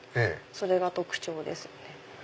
それが特徴です。